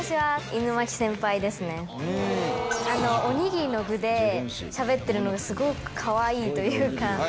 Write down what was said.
おにぎりの具でしゃべってるのがすごくかわいいというか。